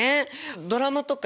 ドラマとか